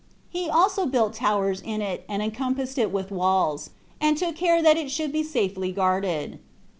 He also built towers in it, and encompassed it with walls, and took care that it should be safely guarded.